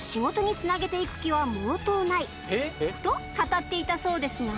と語っていたそうですが